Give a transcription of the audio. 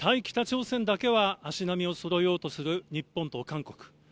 北朝鮮だけは足並みをそろえようとする日本と韓国。